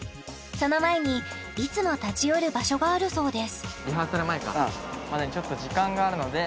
その前にいつも立ち寄る場所があるそうです